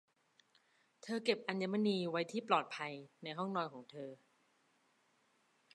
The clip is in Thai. เธอเก็บอัญมณีไว้ที่ปลอดภัยในห้องนอนของเธอ